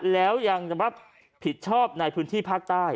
แล้วยังรับผิดชอบในพื้นที่ภาคใต้